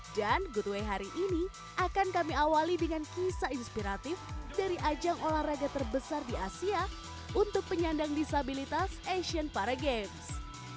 dan goodway hari ini akan kami awali dengan kisah inspiratif dari ajang olahraga terbesar di asia untuk penyandang disabilitas asian para games